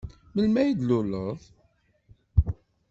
Melmi ay d-tluleḍ?